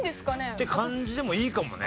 って感じでもいいかもね。